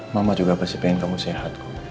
mama juga pasti pengen kamu sehat